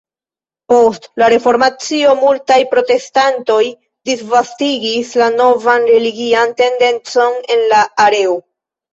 Post la Reformacio, multaj protestantoj disvastigis la novan religian tendencon en la areo.